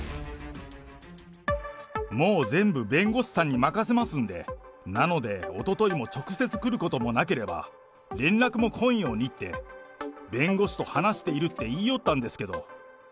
もう全部、弁護士さんに任せますんで、なので、おとといも直接来ることもなければ、連絡も来んようにって、弁護士と話しているって言いよったんですけど。